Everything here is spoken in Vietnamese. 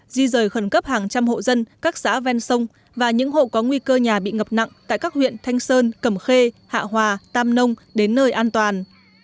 di rời khẩn cấp hàng trăm hộ dân các xã ven sông và những hộ có nguy cơ nhà bị ngập nặng tại các huyện thanh sơn cẩm khê hạ hòa tam nông đến nơi an toàn